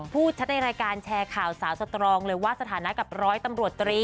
พูดชัดในรายการแชร์ข่าวสาวสตรองเลยว่าสถานะกับร้อยตำรวจตรี